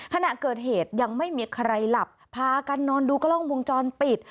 ขณะเกิดเหตุยังไม่มีใครหลับพากันนอนดูกล้องวงจรปิด